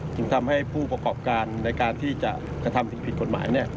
จึงทำให้ผู้ประกอบการในการที่จะกระทำสิ่งผิดกฎหมาย